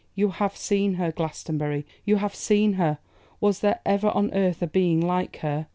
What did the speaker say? You have seen her, Glastonbury; you have seen her. Was there ever on earth a being like her?